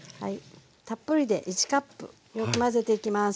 たっぷりで１カップ混ぜていきます。